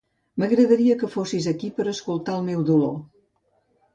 M'agradaria que fossis aquí per escoltar el meu dolor.